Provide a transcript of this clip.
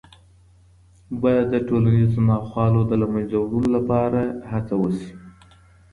باید د ټولنیزو ناخوالو د له منځه وړلو لپاره هڅه وسي.